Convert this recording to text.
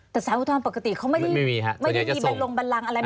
แต่ศาลอุทธรณ์ปกติเขาไม่ได้มีบันลงบันลังอะไรไม่ใช่เหรอครับ